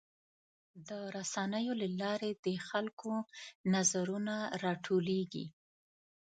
د رسنیو له لارې د خلکو نظرونه راټولیږي.